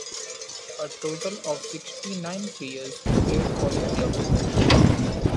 A total of sixty nine players played for the club.